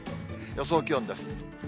予想気温です。